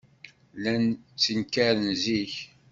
Llan ttenkaren zik.